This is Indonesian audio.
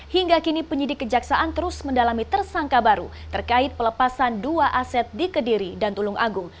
hingga kini penyidik kejaksaan terus mendalami tersangka baru terkait pelepasan dua aset di kediri dan tulung agung